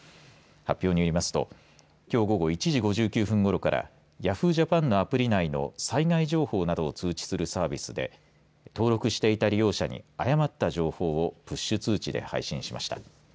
発表によりますときょう午後１時５９分ごろからヤフージャパンのアプリ内の災害情報などを通知するサービスで登録していた利用者に誤った情報をプッシュ通知で配信しました。